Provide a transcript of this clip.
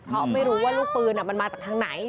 เพราะไม่รู้ว่าลูกปืนมันมาจากทางไหน